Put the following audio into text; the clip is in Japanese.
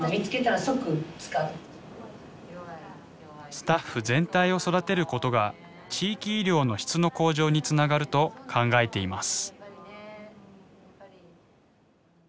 スタッフ全体を育てることが地域医療の質の向上につながると考えています。